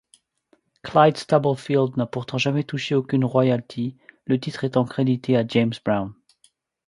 Clyde Stubblefield n'a pourtant touché aucune royalties, le titre étant crédité à James Brown.